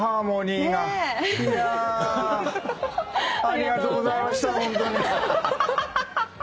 いやありがとうございましたホントに。